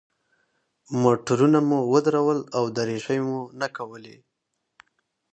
موټرونه مو ودرول او دریشۍ مو نه کولې.